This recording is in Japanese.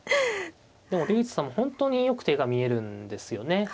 でも出口さんも本当によく手が見えるんですよね。